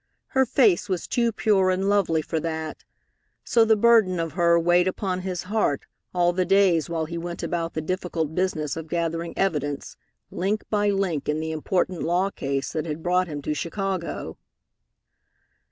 Her face was too pure and lovely for that. So the burden of her weighed upon his heart all the days while he went about the difficult business of gathering evidence link by link in the important law case that had brought him to Chicago.